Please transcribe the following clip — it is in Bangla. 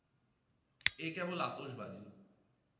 এ কেবল আতশবাজি।